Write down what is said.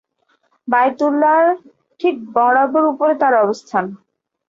বায়তুল্লাহর ঠিক বরাবর উপরে তার অবস্থান।